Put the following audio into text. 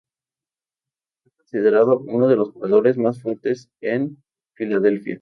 Fue considerado uno de los jugadores más fuertes en Filadelfia.